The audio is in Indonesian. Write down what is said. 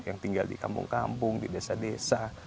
yang tinggal di kampung kampung di desa desa